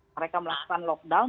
mereka melakukan lockdown